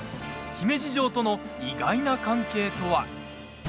姫路城との意外な関係とは？